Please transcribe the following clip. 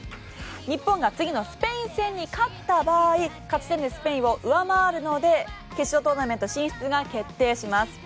日本が次のスペイン戦に勝った場合勝ち点でスペインを上回るので決勝トーナメント進出が決定します。